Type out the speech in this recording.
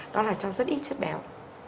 đó là cho rất ít chất béo